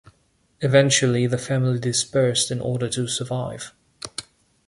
Eventually, the family dispersed in order to survive.